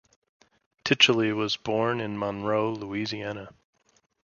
Ticheli was born in Monroe, Louisiana.